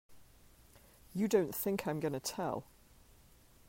You don't think I'm gonna tell!